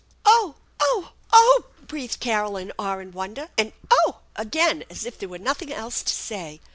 " Oh ! Oh ! Oh !" breathed Carol in awe and wonder, and "Oh!" again, as if there were nothing else to say.